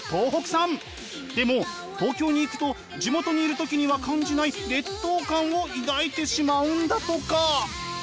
でも東京に行くと地元にいる時には感じない劣等感を抱いてしまうんだとか。